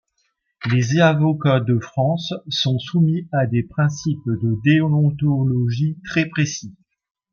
Les avocats de France sont soumis à des principes de déontologie très précis.